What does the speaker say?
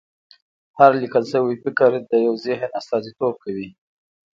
هر لیکل شوی فکر د یو ذهن استازیتوب کوي.